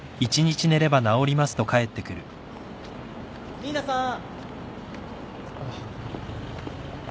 ・新名さん！